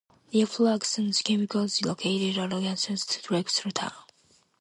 Air Products and Chemicals is located adjacent to Trexlertown.